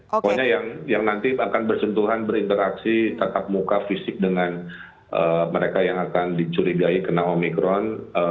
pokoknya yang nanti akan bersentuhan berinteraksi tatap muka fisik dengan mereka yang akan dicurigai kena omikron